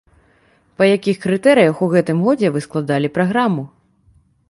Па якіх крытэрыях у гэтым годзе вы складалі праграму?